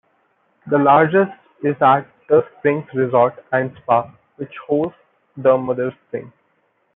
The largest is at The Springs Resort and Spa which hosts the mother spring.